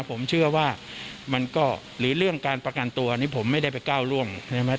ผมเชื่อว่ามันก็หรือเรื่องการประกันตัวนี้ผมไม่ได้ไปก้าวร่วงใช่ไหม